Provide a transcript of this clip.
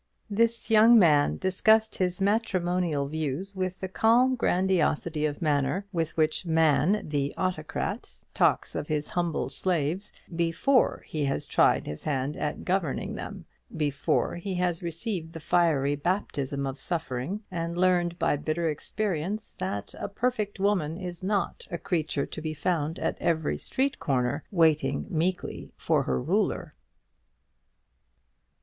This young man discussed his matrimonial views with the calm grandiosity of manner with which man, the autocrat, talks of his humble slaves before he has tried his hand at governing them, before he has received the fiery baptism of suffering, and learned by bitter experience that a perfect woman is not a creature to be found at every street corner waiting meekly for her ruler.